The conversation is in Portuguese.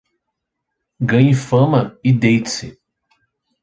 Ganhe fama e deite-se.